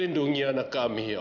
lindungi anak kami ya